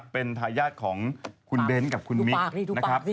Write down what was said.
เป็นทายาทของคุณเบ้นกับคุณมิ๊ก